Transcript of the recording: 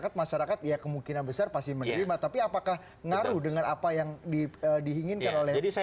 kepala kepala kepala